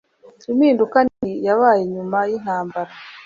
Impinduka nini yabaye nyuma yintambara